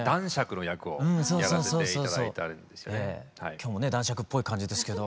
今日もね男爵っぽい感じですけど。